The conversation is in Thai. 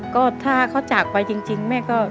ก็ถ้าเขาจากไปจริง